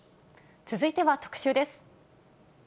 続いては特集です。